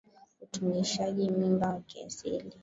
Utungishaji mimba wa kiasili